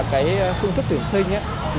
cái phương thức tuyển sinh